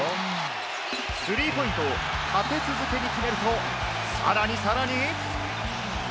スリーポイントを立て続けに決めると、さらにさらに。